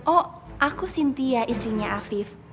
oh aku sintia istrinya afif